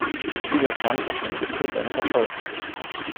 Dieser stand auf dem Gipfel seines Erfolgs.